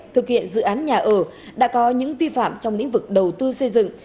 thực hiện dự án nhà ở đã có những vi phạm trong lĩnh vực đầu tư xây dựng